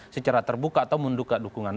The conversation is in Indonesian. secara terbuka atau menduga dukungan